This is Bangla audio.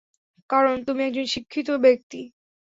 কারণ, তুমি একজন শিক্ষিত ব্যক্তি?